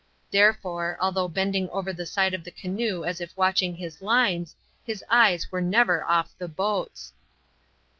Therefore, although bending over the side of the canoe as if watching his lines, his eyes were never off the boats.